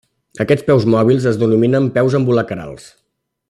Aquests peus mòbils es denominen peus ambulacrals.